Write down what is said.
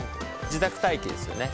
自宅待機ですよね。